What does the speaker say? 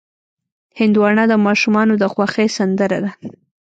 هندوانه د ماشومانو د خوښې سندره ده.